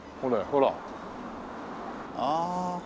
ほら！ああ。